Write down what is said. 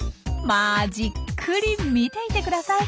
まあじっくり見ていてください。